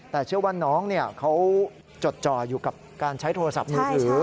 แต่เชื่อว่าน้องเขาจดจ่ออยู่กับการใช้โทรศัพท์มือถือ